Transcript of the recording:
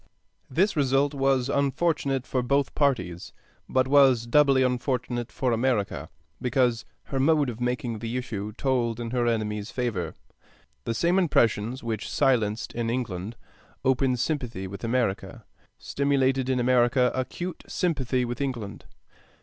This result was unfortunate for both parties, but was doubly unfortunate for America, because her mode of making the issue told in her enemy's favor. The same impressions which silenced in England open sympathy with America, stimulated in America acute sympathy with England.